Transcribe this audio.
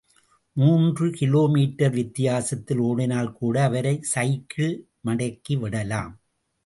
மூன்று kilometre வித்தியாசத்தில் ஓடினால்கூட, அவரை, சைக்கிள் மடக்கி விடலாம்.